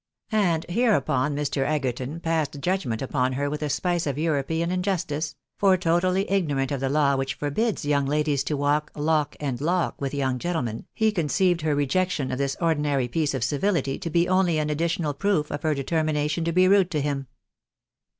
And hereupon Mr. Egerton passed judgment upon her with a spice of European injustice — for totally ignorant of the law which forbids young ladies to walk "Zocfc and loch'''' with young gentlemen, he con ceived her rejection of this ordinary piece of civility to be only an additional proof of her determination to be rude to him.